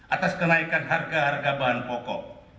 atas kenaikan harga harga bahan pokok